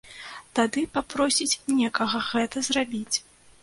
Тады папросіць некага гэта зрабіць.